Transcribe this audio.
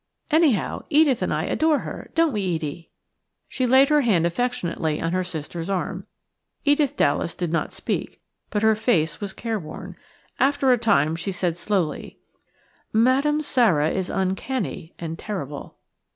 Anyhow, Edith and I adore her, don't we, Edie?" She laid her hand affectionately on her sister's arm. Edith Dallas did not speak, but her face was careworn. After a time she said slowly:– "Madame Sara is uncanny and terrible."